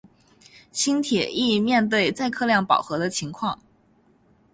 轻铁亦面对载客量饱和的情况。